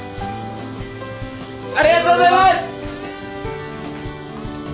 ありがとうございます！